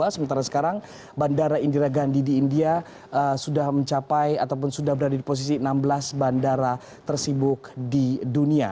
sementara sekarang bandara indira gandhi di india sudah berada di posisi enam belas bandara tersibuk di dunia